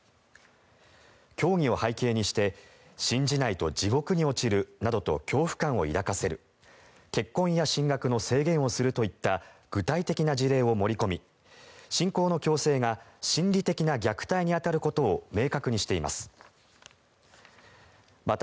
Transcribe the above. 教義を背景にして信じないと地獄に落ちるなどと恐怖感を抱かせる結婚や進学の制限をするといった具体的な事例を盛り込み信仰の強制が心理的な虐待に当たることを明確にしています。